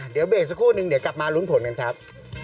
เดี๋ยวเบรกสักครู่นึงเดี๋ยวกลับมาลุ้นผลกันครับ